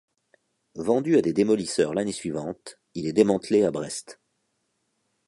Vendu à des démolisseurs l'année suivante, il est démantelé à Brest.